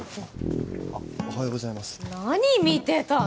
あっおはようございます何見てたの？